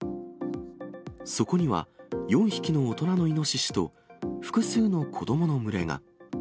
そこには、４匹の大人のイノシシと、複数の子どもの群れが。